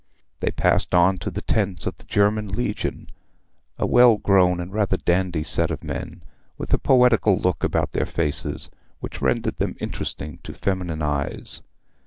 They passed on to the tents of the German Legion, a well grown and rather dandy set of men, with a poetical look about their faces which rendered them interesting to feminine eyes.